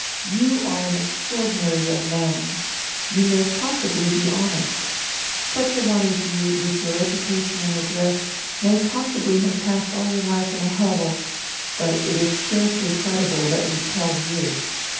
You are an extraordinary young man. You may possibly be honest. Such a one as you, with your education and address, may possibly have passed all your life in a hovel; but it is scarcely credible, let me tell you.